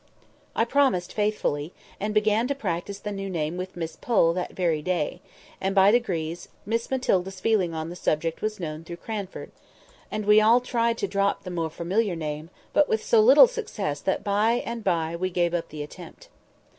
I promised faithfully, and began to practise the new name with Miss Pole that very day; and, by degrees, Miss Matilda's feeling on the subject was known through Cranford, and we all tried to drop the more familiar name, but with so little success that by and by we gave up the attempt.